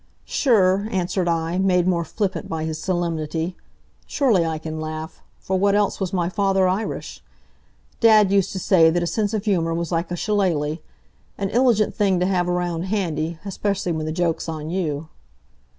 "Sure," answered I, made more flippant by his solemnity. "Surely I can laugh. For what else was my father Irish? Dad used to say that a sense of humor was like a shillaly an iligent thing to have around handy, especially when the joke's on you."